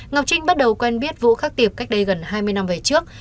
ngọc trinh bắt đầu quen biết vũ khắc tiệp cách đây gần hai mươi năm về trước